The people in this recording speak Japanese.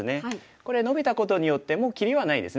これノビたことによってもう切りはないですね。